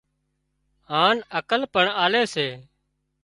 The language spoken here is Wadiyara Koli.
هانَ عقل پڻ آلي سي